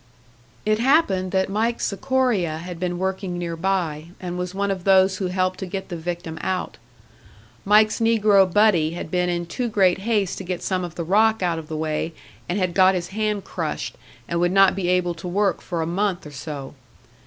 It happened that Mike Sikoria had been working nearby, and was one of those who helped to get the victim out. Mike's negro "buddy" had been in too great haste to get some of the rock out of the way, and had got his hand crushed, and would not be able to work for a month or so.